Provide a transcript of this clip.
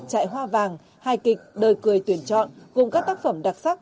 chạy hoa vàng hai kịch đời cười tuyển chọn gồm các tác phẩm đặc sắc